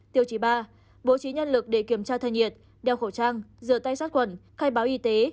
tiêu chí ba bố trí nhân lực để kiểm tra thân nhiệt đeo khẩu trang rửa tay sát quần khai báo y tế